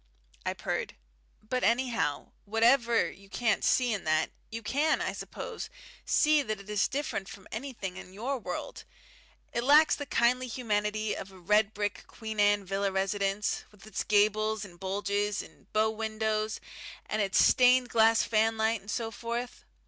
I purred. "But, anyhow, whatever you can't see in that, you can, I suppose, see that it is different from anything in your world it lacks the kindly humanity of a red brick Queen Anne villa residence, with its gables and bulges, and bow windows, and its stained glass fanlight, and so forth.